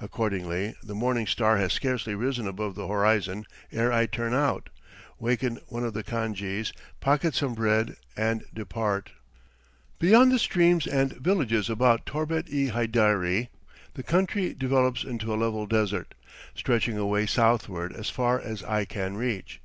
Accordingly, the morning star has scarcely risen above the horizon ere I turn out, waken one of the khan jees, pocket some bread and depart. Beyond the streams and villages about Torbet i Haiderie, the country develops into a level desert, stretching away southward as far as eye can reach.